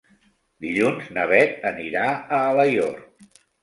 Dilluns na Beth anirà a Alaior.